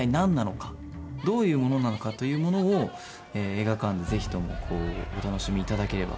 どういうものなのか？というものを映画館でぜひともお楽しみいただければ。